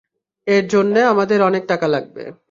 এর জন্যে আমাদের অনেক টাকা লাগবে।